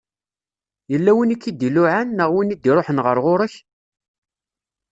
Yella win i k-id-iluɛan, neɣ win i d-iruḥen ɣer ɣur-k?